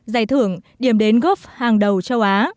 giải thưởng điểm đến gulf hàng đầu châu á